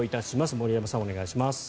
森山さん、お願いします。